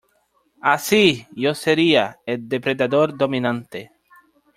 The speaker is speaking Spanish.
Así , yo sería ... El depredador dominante .